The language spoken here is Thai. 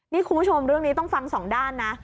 นี่คุณผู้ชมเรื่องนี้ต้องฟังสองด้านนะ